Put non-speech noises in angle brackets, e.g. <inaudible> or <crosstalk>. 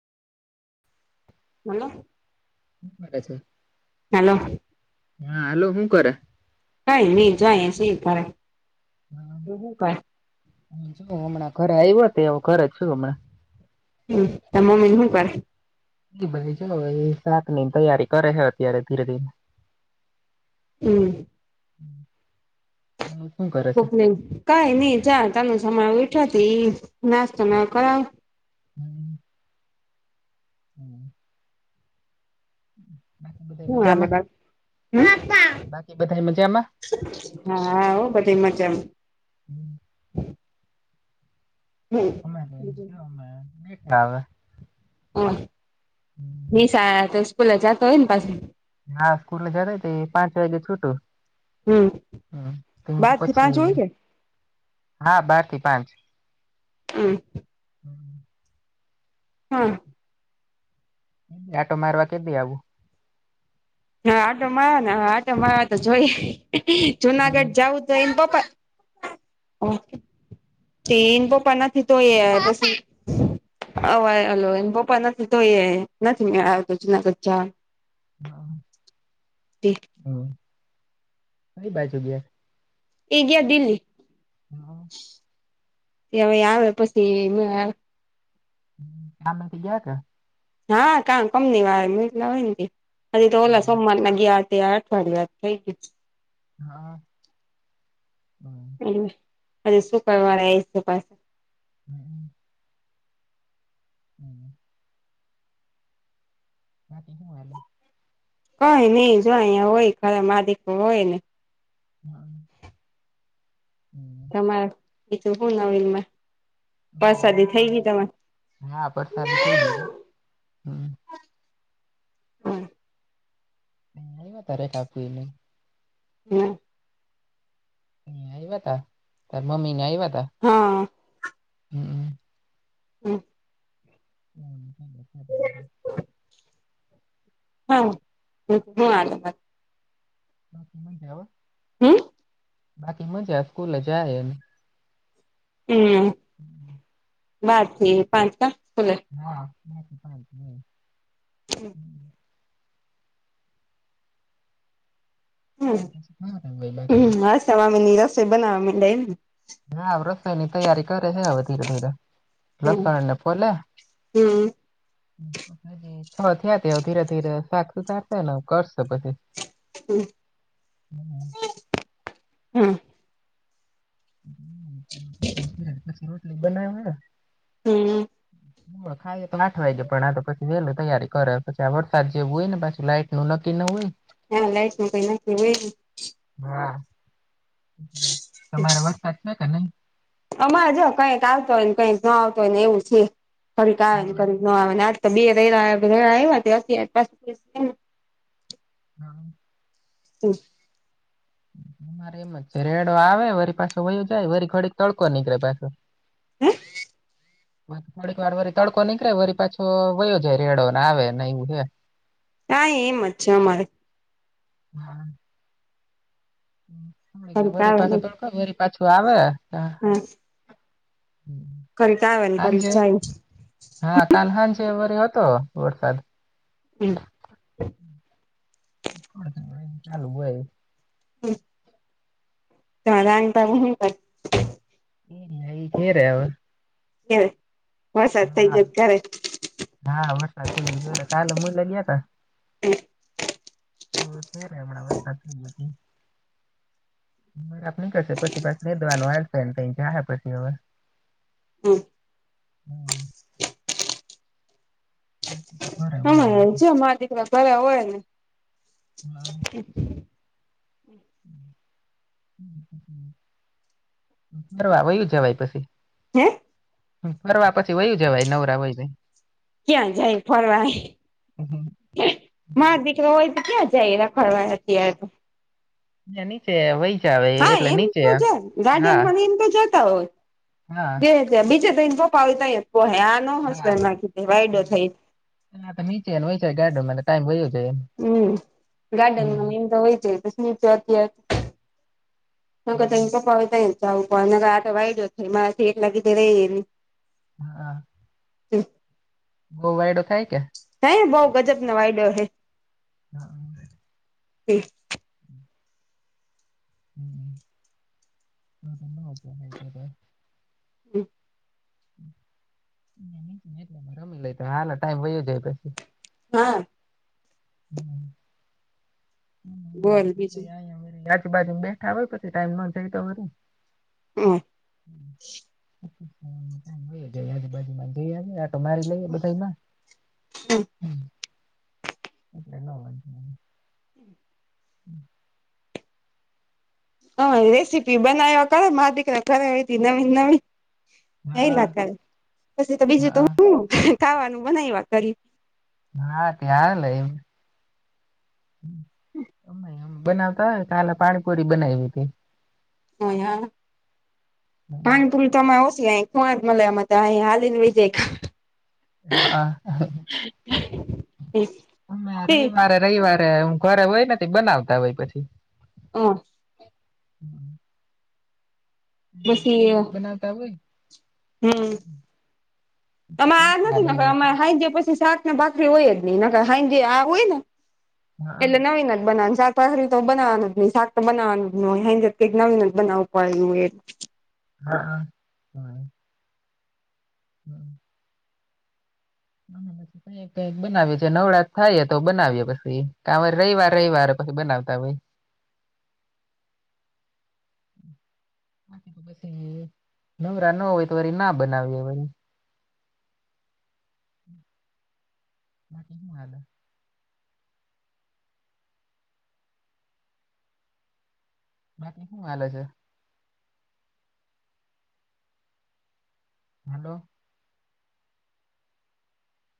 હાલો. <inaudible> હાલો. હા હાલો, હું કરે? કાઈ નહી, જો આયા સી કરે. હું કરે હમણાં ઘરે આવ્યો તો એવ ઘર જ છું હમણાં. હમ્મ, તમા મમ્મી ને શું કરે? ભાઈ ચાલ એ શાક ની તૈયારી કરે છે. અત્યારે ધીરે ધીરે હમ્મ. <inaudible> શું કરે? છે? કોકની, કઈ નઈ જો તનું સય ઉયઠો, તી નાસ્તો ના કરાવ. <inaudible> હમ્મ. <inaudible> હું હાલે મજામાં બાકી... બાકી બધા મજામાં? હા હો બધી એ મજામાં. હમ આવે. હમ નિશાળે તો સ્કૂલે જતો હોય ને પાછો. હા સ્કૂલ ને જતા. પાંચ વાગે છૂટું. હમ બાર થી પાંચ પછી હોય છે. હા બાર થી પાંચ. હમ. હા. આટો મારવા કેથી આવું. હા આટો મારવા આવે ને આટો મારવા આવે તો જોઈ. જુનાગઢ જવું તો એમ પપ્પા. <unintelligible> હ હાલો એના પપ્પા નથી તોય. નથી મેળ આવતો જુનાગઢ જવાનો. <inaudible> <inaudible> હમ કઈ બાજુ ગિયા? એ ગ્યાં દિલ્લી. એ અવે આવે પછી <unintelligible> આમે થઈ ગયા કા.. હા કા કંપની વારાને મોક્યલા હોય ને એ તો ઓલા સોમવાર ના ગયા. ત્યાં અઠવાડિયા વાત થઈ ગયું છે. <inaudible> <unintelligible> હમ <unintelligible> <inaudible> <inaudible> <unintelligible> કઈ ની જો અયા હોય ખરા માડીકુ હોય ને... <inaudible> <inaudible> તમારે બીજુ હું નવીનમાં. પરસાદી થઈ ગઈ તમારે? હા વરસાદ થઈ ગયો <inaudible> હા. અમે ત્યારે કાપ્યુંને... <unintelligible> અહિયા આયવા તા તાર મમ્મી ને આયવા તા. હા. હમ. હમ હમ હમ. હા કેટલો આનંદ.. હમ <unintelligible> હમ. બાકી મજા સ્કૂલે જાય એમ. હમ. હમ. બાર થી પાંચ કમ સ્કૂલે હા <inaudible> <inaudible> બાકી રેય સવા મઈને રસોઈ બનાવા મયડા એમ ને હા રસોઈ ની તૈયારી કરે છે હવે ધીરે ધીરે લસણ ને ફોલે હમ્મ અને છ થયા ત્યા હવે ધીરે ધીરે શાક સુધારશે ને અવ કરશે પછી હમ્મ હમ. હમ <inaudible> પછી રોટલી બનાયવા હમ્મ. <inaudible> પણ ખાયે તો આઠ વાગે પણ આ તો પછી વેલું તૈયારી કરે પછી આ વરસાદ જેવું હોય ને પાછી લાઈટનું નક્કી ન હોય. હા લાઈટનું કંઈ નક્કી નઈ હા તમારે વરસાદ છે કે નઈ? અમારે જો કંઈક આવતો હોયને કંઈક ન આવતો હોયને એવું છે. ઘરીક આવે ને ઘરીક ન આવે ને આજ તો બે રેયવા આયવા ત્યારથી અતાર સુધી છે ન હા <unintelligible> મારેય એમ જ છે રેડો આવે વરી પાછો વયો જાય વરી ઘડીક તડકો નીકળે પાછો હેં? <unintelligible> ઘડીક વાર વરી તડકો નીકળે વરી પાછો વયો જાય રેડો ને આવે ને એવું હે આંયે એમ જ છે અમારે હા કડીક વરી પાછો તડકો વરી પાછો આવે હં ને હાંજ કડીક જાય હા કાલ હાંજે વરી હતો વરસાદ હમ ચાલુું હોય કાંઈ રાંધતા નહી પણ <inaudible> એ ધેરે હવે <unintelligible> વરસાદ થઇ હા જાય ઘરે હા વરસાદ થઈ ને ઘરે કાલે મુલે ગયા તા હમ્મ તો ઘેરે અમણા વરસાદ <unintelligible> <unintelligible> નીકળશે પછી પાછું <unintelligible> આવેશે ન તંઈ જાહે પછી હવે <inaudible> હમ્મ હમ. બરાબર એમ જો મારો દીકરા ઘરે હોય નઈ હા ફરવા વયું જવાય પછી હેં? ફરવા પછી વયુ જવાય નવરા હોય ક્યાં જાય ફરવા મા દીકરો હોય તો ક્યાં જાય રખડવા અત્યારે તો નીચે વયી જવાય હા એમ તો જાવ ગાર્ડન માં ને એમ તો જતા હા હોય બીજે તો એના પપ્પા હોય તૈયા જ પોહાય આ નો હસવાય હા એમાં વાયડો થાય નીચે વયું જવાય ગાર્ડનમાં ટાઈમ વયો જાય હમ હમ ગાર્ડનમાં એમ તો વય જાય પછી અત્યારે એના કરતા હા એના પપ્પા હોય તૈયા જ જવું નકર આ તો વાઈડો થાય મારાથી એકલાથી રહેય નહી હા બહુ વાયડો થાય કે હા બઉ ગજબ નો વાયડો થાય હા હમ <inaudible> હમ રમી લઈ હાલો ટાઈમ વય જાય પછી હા <unintelligible> <unintelligible> બોલ બીજું પછી ટાઈમ ન જાય તો વળી હૂ <inaudible> આજુબાજુમાં જઈજે લઈ હ એટલે ન લ હમ હમ હ રેસીિપી બનાવા કર માથી ઘરે આવી નવી નવી હા એલા કર પછી તો બીજું તો હા હું ખાવાનું બનાવવા કર્યું હા બનાવતા હોય કાલે પાણીપુરી બનાવીવી હતી હ હા પાનપુરી તમે આવશ ક હું મલયામાંત હલીિન વિજયક હ હ એ અ રવિવારે રવિવારે હું ઘરે હોય નથી બનાવતા હોય પછી હ પછી બજ હમ તરે આજ મસાલે નથી એવું અમે કઈ હાઈ ગયા પછી શાક ભાખરી હોય જ નહી જે આ હોય ને હા એટલે નવીન જ બના પહેરી તો બનાવવાનું જ નહી શાક બનાવવાનું જ હોય હં કઈક નવી ન જ બનાવવું પડ્યું હો એ હાા હ આ ક બનાવી છે નવરા થાય તો બનાવીય પછી કરે રવાર રવિરરે પછી બનાવતા હોય પ નવરા ન હોય તો વા ના બનાવીએ ના કે હાલ બાકી શું હાલે છે હલો